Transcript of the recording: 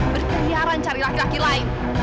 berkeliaran cari laki laki lain